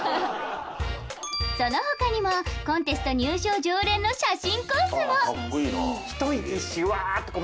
その他にもコンテスト入賞常連の「一息シュワー」とか。